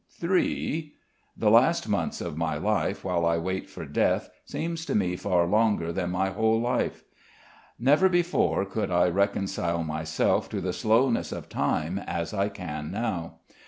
three.... The last months of my life, while I wait for death, seem to me far longer than my whole life. Never before could I reconcile myself to the slowness of time as I can now.